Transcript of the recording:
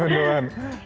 bikin bakwan sendiri